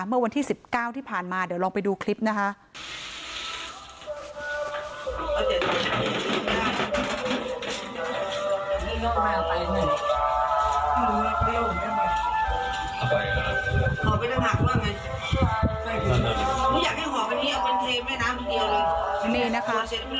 เมื่อวันที่๑๙ที่ผ่านมาเดี๋ยวลองไปดูคลิปนะคะ